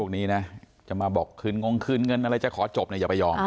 นี้นะจะมาบอกคืนงงคืนเงินอะไรจะขอจบเนี่ยอย่าไปยอม